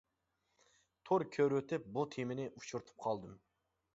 تور كۆرۈۋېتىپ بۇ تېمىنى ئۇچرىتىپ قالدىم.